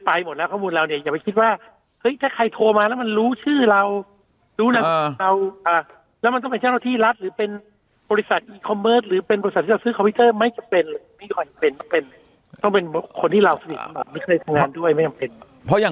ไปหมดแล้วข้อมูลเราเนี่ยอย่าไปคิดว่าถ้าใครโทรมาแล้วมัน